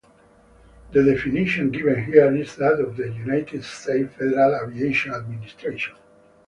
The definition given here is that of the United States Federal Aviation Administration.